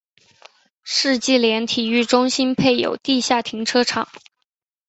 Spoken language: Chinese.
世纪莲体育中心配有地下停车场。